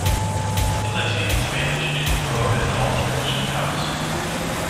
It's like speaking Spanish if you grow up in an all-Spanish house.